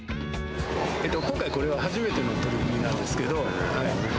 今回、これは初めての取り組みなんですけど。